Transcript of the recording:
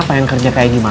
pengen kerja kayak gimana